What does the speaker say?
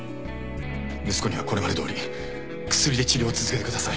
息子にはこれまでどおり薬で治療を続けてください